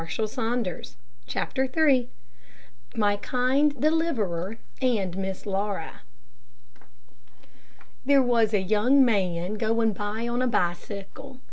CHAPTER III MY KIND DELIVERER AND MISS LAURA There was a young man going by on a bicycle.